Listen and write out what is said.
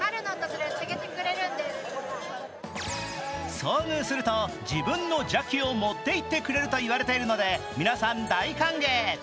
遭遇すると、自分の邪気を持っていってくれるといわれているので皆さん、大歓迎。